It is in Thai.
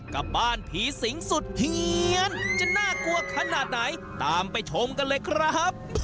กับบ้านผีสิงสุดเฮียนจะน่ากลัวขนาดไหนตามไปชมกันเลยครับ